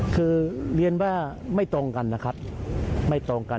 คือเรียนว่าไม่ตรงกันนะครับไม่ตรงกัน